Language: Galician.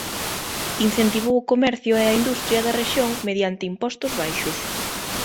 Incentivou o comercio e a industria da rexión mediante impostos baixos